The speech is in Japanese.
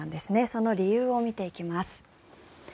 その理由を見ていきます。